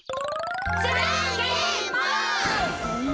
じゃんけんぽん！